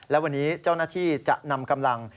และวันนี้เจ้าหน้าที่จะนำกำลัง